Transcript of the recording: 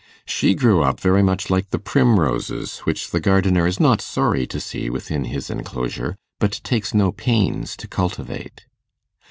She grew up very much like the primroses, which the gardener is not sorry to see within his enclosure, but takes no pains to cultivate.